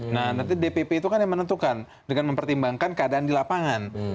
nah nanti dpp itu kan yang menentukan dengan mempertimbangkan keadaan di lapangan